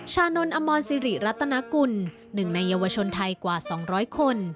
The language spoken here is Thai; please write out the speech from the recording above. ชานนท์อมรสิริรัตนากุล๑ในเยาวชนไทยกว่า๒๐๐คน